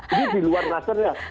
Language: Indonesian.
ini di luar klasternya